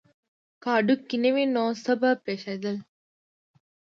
که هډوکي نه وی نو څه به پیښیدل